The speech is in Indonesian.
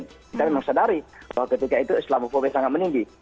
kita memang sadari bahwa ketika itu islamofobis sangat meninggi